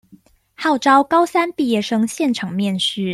號召高三畢業生現場面試